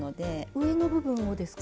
上の部分をですか？